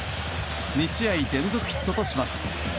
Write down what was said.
２試合連続ヒットとします。